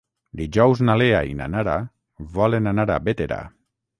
Dijous na Lea i na Nara volen anar a Bétera.